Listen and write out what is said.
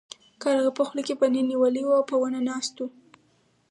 کارغه په خوله کې پنیر نیولی و او په ونه ناست و.